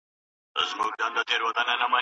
د يوسف عليه السلام قصه احسن القصص بلل سوې ده.